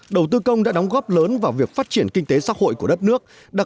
đầu tư công đã đóng góp lớn vào việc phát triển kinh tế xã hội của đất nước